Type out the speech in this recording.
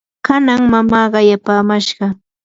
kanan mamaa qayapamashqa